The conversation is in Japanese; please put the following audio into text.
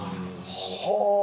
はあ！